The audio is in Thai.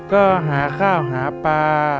ก็หาข้าวหาปลา